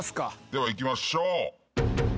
ではいきましょう。